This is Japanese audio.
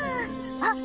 あっ